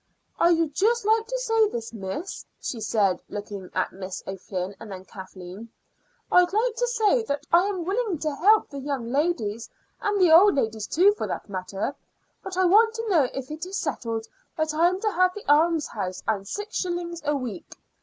"I'd just like to say, miss," she said, looking at Miss O'Flynn and then at Kathleen "I'd like to say that I am willing to help the young ladies, and the old ladies too for that matter, but I want to know if it is settled that I am to have the almshouse and six shillings a week.